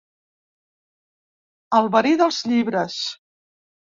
El verí dels llibres.